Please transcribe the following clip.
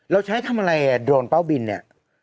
เราใช้ทำอะไรอ่ะโดรนเป้าบินเนี่ย